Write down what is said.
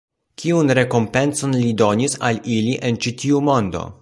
Kiun rekompencon Li donis al ili en ĉi tiu mondo?